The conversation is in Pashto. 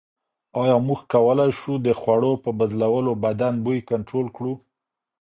ایا موږ کولای شو د خوړو په بدلولو بدن بوی کنټرول کړو؟